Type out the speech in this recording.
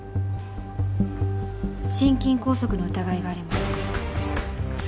心筋梗塞の疑いがあります。